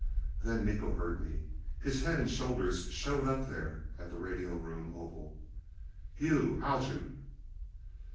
Then Miko heard me. His head and shoulders showed up there at the radio room oval. "You Haljan?"